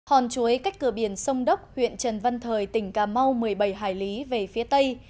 hòn chuối cách cửa biển sông đốc huyện trần văn thời tỉnh cà mau một mươi bảy hải lý về phía tây